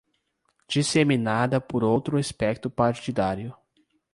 Disseminada por outro espectro partidário